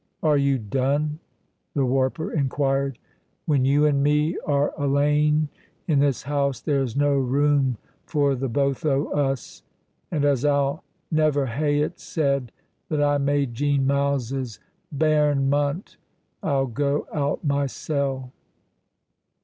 "Are you done?" the warper inquired. "When you and me are alane in this house there's no room for the both o' us, and as I'll never hae it said that I made Jean Myles's bairn munt, I'll go out mysel'."